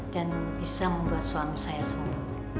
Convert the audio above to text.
dan bisa membuat suami saya sembuh